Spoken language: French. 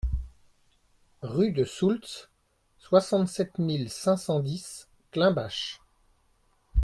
Rue de Soultz, soixante-sept mille cinq cent dix Climbach